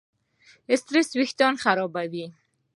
سټرېس وېښتيان خرابوي.